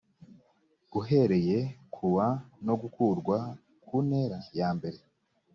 uhereye ku wa no gukurwa ku ntera yambere